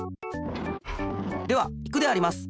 ではいくであります。